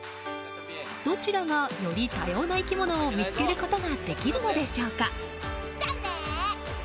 どちらがより多様な生き物を見つけることができるのでしょうか。